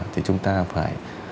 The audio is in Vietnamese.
thì chúng ta phải